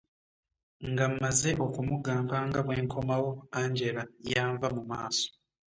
Nga mmaze okumugamba nga bwe nkomawo, Angela yanva mu maaso.